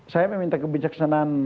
saya meminta kebijaksanaan